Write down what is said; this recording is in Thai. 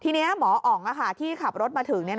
ทีนี้หมออ๋องที่ขับรถมาถึง